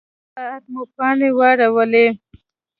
نږدې یو ساعت مو پانې واړولې.